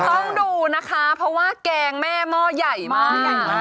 ต้องดูนะคะเพราะว่าแกงแม่หม้อใหญ่มากใหญ่มาก